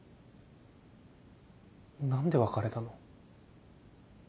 何で別れたの？